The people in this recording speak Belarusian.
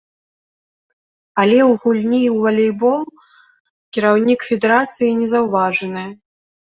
Але ў гульні ў валейбол кіраўнік федэрацыі не заўважаны.